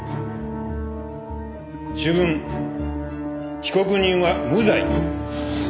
主文被告人は無罪。